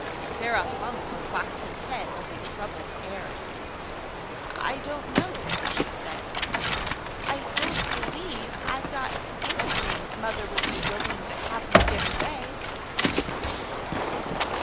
Sarah hung her flaxen head with a troubled air. "I don't know," said she. "I don't believe I've got anything mother would be willing to have me give away."